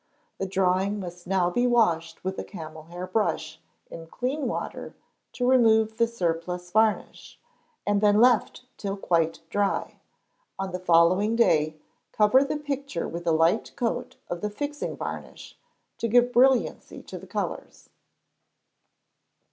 The drawing must now be washed with a camel hair brush, in clean water, to remove the surplus varnish, and then left till quite dry. On the following day, cover the picture with a light coat of the fixing varnish, to give brilliancy to the colours.